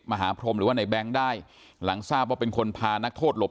มหาพรมหรือว่าในแบงค์ได้หลังทราบว่าเป็นคนพานักโทษหลบ